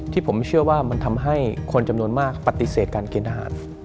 ที่ผมเชื่อว่ามันทำให้คนจำนวนมากปฏิเสธการเกณฑ์ทหาร